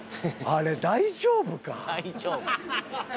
あれ大丈夫か？